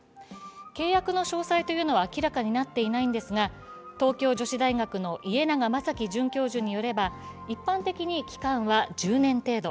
契約の詳細は明らかになっていないんですが、東京女子大学の家永真幸准教授によれば、一般的に期間は１０年程度。